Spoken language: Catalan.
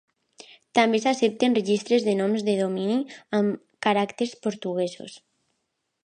També s'accepten registres de noms de domini amb caràcters portuguesos.